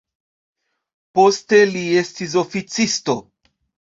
Poste li estis oficisto.